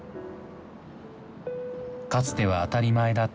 かつては当たり前だった